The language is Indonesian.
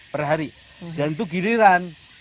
per hari dan itu giliran